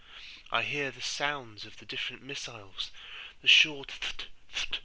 I hear the sounds of the different missiles—the short t h t! t h t!